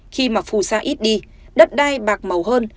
khi mà phù sa ít đi đất đai bạc màu hơn